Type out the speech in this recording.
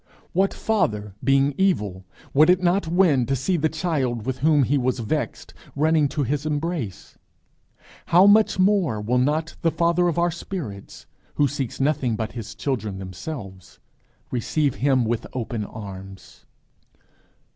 What father being evil would it not win to see the child with whom he was vexed running to his embrace? how much more will not the Father of our spirits, who seeks nothing but his children themselves, receive him with open arms!